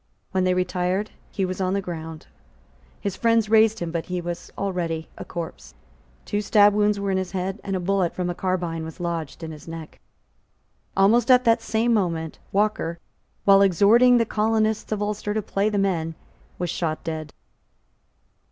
When they retired, he was on the ground. His friends raised him; but he was already a corpse. Two sabre wounds were on his head; and a bullet from a carbine was lodged in his neck. Almost at the same moment Walker, while exhorting the colonists of Ulster to play the men, was shot dead.